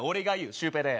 シュウペイでーす！